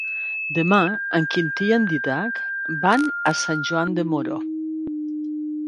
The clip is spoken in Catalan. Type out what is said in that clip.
Demà en Quintí i en Dídac van a Sant Joan de Moró.